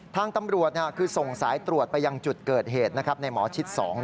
ทางตำรวจคือส่งสายตรวจไปยังจุดเกิดเหตุในหมอชิด๒